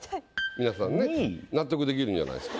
皆さんね納得できるんじゃないですか？